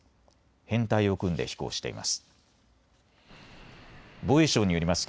編隊を組んで飛行しています。